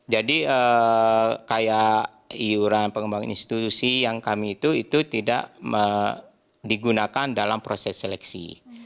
jadi kayak iuran pengembangan institusi yang kami itu tidak digunakan dalam proses seleksi